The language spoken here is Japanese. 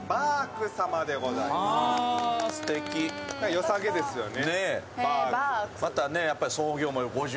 よさげですよね。